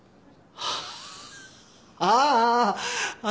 ああああ。